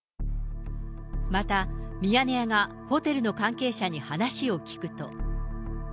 また、ミヤネ屋がホテルの関係者に話を聞くと。